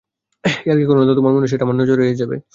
ইয়ার্কি করো না তো, তোমার মনে হয় সেটা আমার নজর এড়িয়ে যাবে?